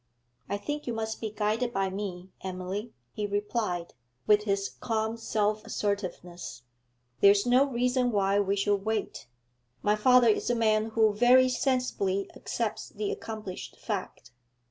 'I think you must be guided by me, Emily,' he replied, with his calm self assertiveness. 'There is no reason why we should wait. My father is a man who very sensibly accepts the accomplished fact.